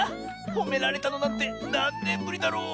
ほめられたのなんてなんねんぶりだろう。